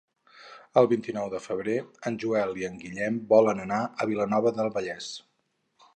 El vint-i-nou de febrer en Joel i en Guillem volen anar a Vilanova del Vallès.